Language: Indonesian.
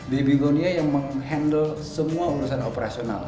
babylonia yang menguruskan semua urusan operasional